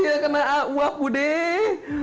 dia kena uap bu deh